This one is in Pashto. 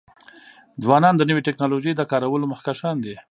ځوانان د نوې ټکنالوژۍ د کارولو مخکښان دي.